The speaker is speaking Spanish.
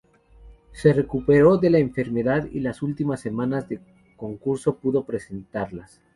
Se recuperó de la enfermedad y las últimas semanas de concurso pudo presentarlas.